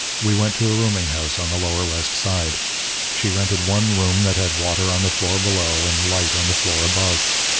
We went to a rooming house on the lower West Side. She rented one room that had water on the floor below and light on the floor above.